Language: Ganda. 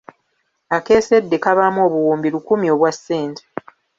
Akeesedde kabaamu obuwumbi lukumi obwa sente.